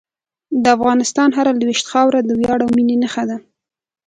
د افغانستان هره لویشت خاوره د ویاړ او مینې نښه ده.